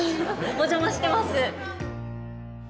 お邪魔してます。